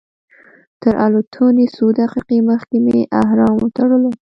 تر الوتنې څو دقیقې مخکې مې احرام وتړلو.